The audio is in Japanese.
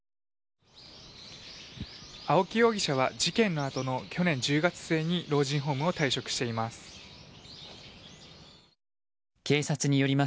青木容疑者は事件のあとの去年１０月末に老人ホームを退職しています。